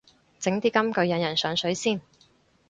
整啲金句引人上水先